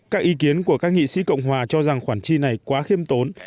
các ý kiến của các nghị sĩ cộng hòa cho rằng khoản chi này quá khiêm tốn